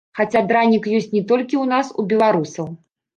Хаця дранік ёсць не толькі ў нас, у беларусаў.